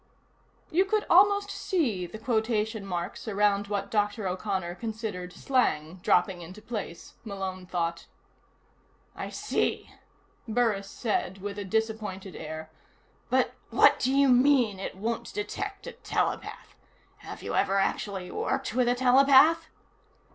You could almost see the quotation marks around what Dr. O'Connor considered slang dropping into place, Malone thought. "I see," Burris said with a disappointed air. "But what do you mean, it won't detect a telepath? Have you ever actually worked with a telepath?"